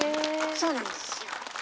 そうなんですよ。